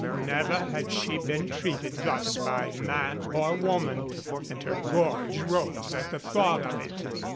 Never had she been treated thus by man or woman, and her gorge rose at the thought of it.